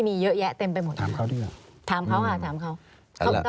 มีใครต้องจ่ายค่าคุมครองกันทุกเดือนไหม